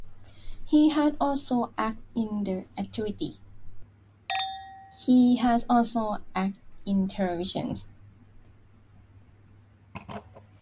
He has also acted in television.